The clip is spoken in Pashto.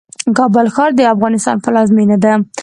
کابل ښار د افغانستان پلازمېنه ده